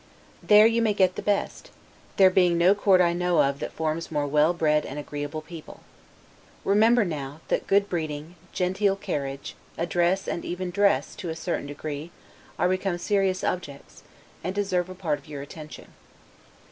There you may get the best, there being no court I know of that forms more well bred, and agreeable people. Remember now, that good breeding, genteel carriage, address, and even dress (to a certain degree), are become serious objects, and deserve a part of your attention.